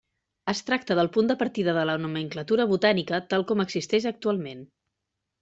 Es tracta del punt de partida de la nomenclatura botànica tal com existeix actualment.